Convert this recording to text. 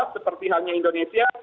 seperti halnya indonesia